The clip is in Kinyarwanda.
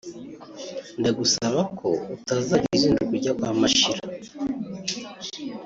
ndagusaba ko utazajya uzinduka ujya kwa Mashira